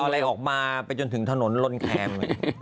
อะไรออกมาไปจนถึงถนนลนแคม